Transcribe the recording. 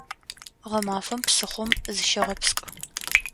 Гъэмафэм псыхъом зыщыгъэпскӏ!